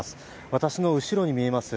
私の後ろに見えます